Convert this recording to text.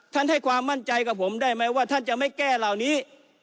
ให้ความมั่นใจกับผมได้ไหมว่าท่านจะไม่แก้เหล่านี้